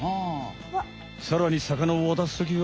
さらに魚を渡すときは。